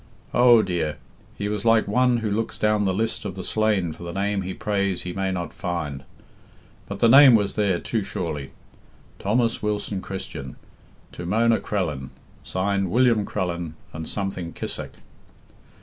Oh dear! he was like one who looks down the list of the slain for the name he prays he may not find. But the name was there, too surely: 'Thomas Wilson Christian... to Mona Crellin... signed Wm. Crellin and something Kissack.'"